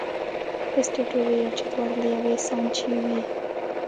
لیسټرډ وویل چې دواړه له یوې سانچې وې.